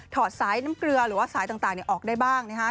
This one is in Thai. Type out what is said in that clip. อดสายน้ำเกลือหรือว่าสายต่างออกได้บ้าง